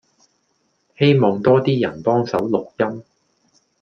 希望多 D 人幫手錄音